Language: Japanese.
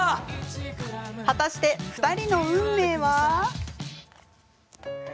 果たして、２人の運命は？